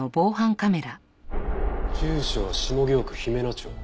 住所は下京区姫